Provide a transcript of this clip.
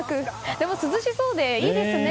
でも涼しそうでいいですね。